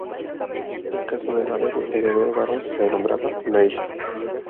En caso de no haber un heredero varón, se nombraba una hija.